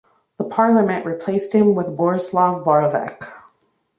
The Parliament replaced him with Borislav Paravac.